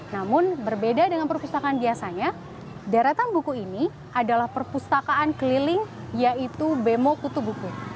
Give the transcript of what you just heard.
namun berbeda dengan perpustakaan biasanya deretan buku ini adalah perpustakaan keliling yaitu bemo kutubuku